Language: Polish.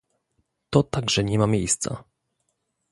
To także nie ma miejsca